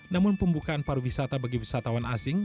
namun pembukaan pariwisata bagi wisatawan asing